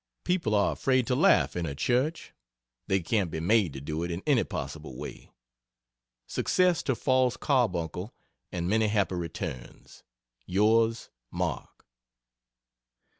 People are afraid to laugh in a church. They can't be made to do it in any possible way. Success to Fall's carbuncle and many happy returns. Yours, MARK.